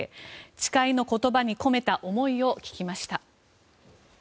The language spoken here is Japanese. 誓いの言葉に込めた思いを聞きました。